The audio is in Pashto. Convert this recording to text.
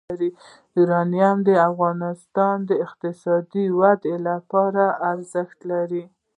یورانیم د افغانستان د اقتصادي ودې لپاره ارزښت لري.